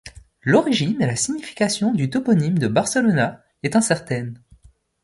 L'origine et la signification du toponyme de Barcelona est incertaine.